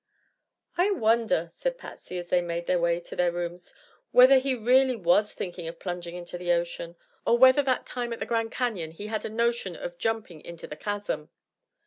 "I wonder," said Patsy, as they made their way to their rooms, "whether he really was thinking of plunging into the ocean; or whether that time at the Grand Canyon he had a notion of jumping into the chasm."